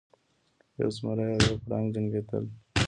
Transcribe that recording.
یو زمری او یو پړانګ جنګیدل.